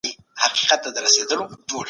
اسلام د اعتدال او توازن لار ده.